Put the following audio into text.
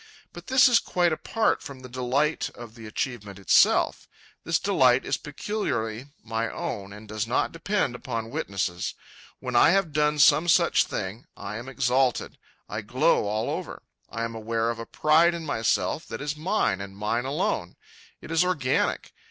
But this is quite apart from the delight of the achievement itself. This delight is peculiarly my own and does not depend upon witnesses. When I have done some such thing, I am exalted. I glow all over. I am aware of a pride in myself that is mine, and mine alone. It is organic.